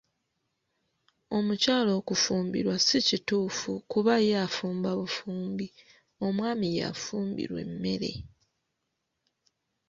Omukyala okufumbirwa si kituufu kuba ye afumba bufumbi omwami yafumbirwa emmere.